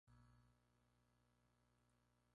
Administró su diócesis con un gran celo pastoral.